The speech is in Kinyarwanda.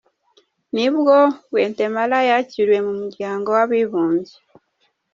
Nibwo Guatemala yakiriwe mu Muryango wAbibumbye.